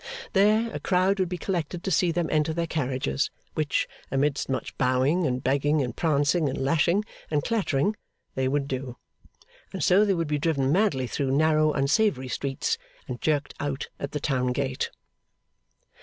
There, a crowd would be collected to see them enter their carriages, which, amidst much bowing, and begging, and prancing, and lashing, and clattering, they would do; and so they would be driven madly through narrow unsavoury streets, and jerked out at the town gate.